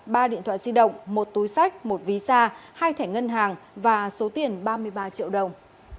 ba điện thoại di động một túi sách một ví xa hai thẻ ngân hàng và số tiền ba mươi ba triệu đồng